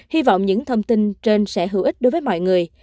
hy vọng những thông tin trên sẽ hữu ích đối với mọi người